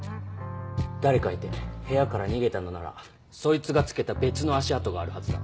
誰かいて部屋から逃げたのならそいつが付けた別の足跡があるはずだ。